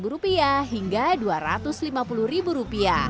dua puluh lima rupiah hingga dua ratus lima puluh rupiah